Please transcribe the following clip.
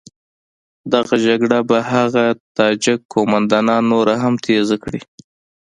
دغه جګړه به هغه تاجک قوماندانان نوره هم تېزه کړي.